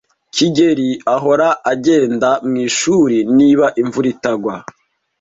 kigeli ahora agenda mwishuri niba imvura itagwa.